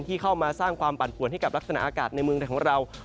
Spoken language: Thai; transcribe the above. เข้ามาสร้างความปั่นป่วนให้กับลักษณะอากาศในเมืองไทยของเรา